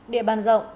địa bàn rộng